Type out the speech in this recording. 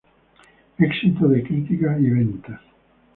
Éxito de crítica y ventas.